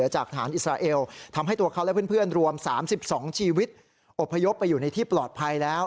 ๓๒ชีวิตอบพยพไปอยู่ในที่ปลอดภัยแล้ว